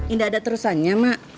indah ada terusannya mak